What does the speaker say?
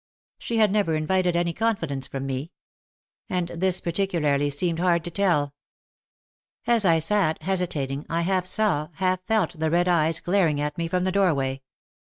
She had never invited any confidence from me. And this particularly seemed hard to tell. As I sat, hesitating, I half saw, half felt the red eyes glaring at me from the doorway.